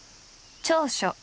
長所。